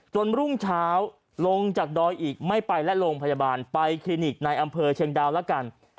รุ่งเช้าลงจากดอยอีกไม่ไปและโรงพยาบาลไปคลินิกในอำเภอเชียงดาวแล้วกัน